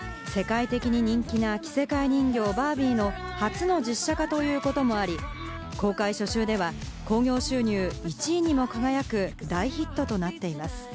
世界的に人気の着せ替え人形・バービーの初の実写化ということもあり、公開初週、興行収入１位に輝く大ヒットとなっています。